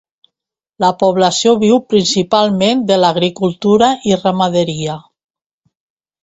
La població viu principalment de l'agricultura i ramaderia.